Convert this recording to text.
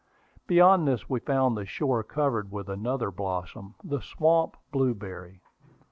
Beyond this we found the shore covered with another blossom, the swamp blueberry.